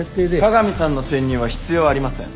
加賀美さんの潜入は必要ありません。